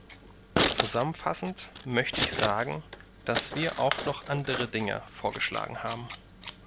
Zusammenfassend möchte ich sagen, dass wir auch noch andere Dinge vorgeschlagen haben.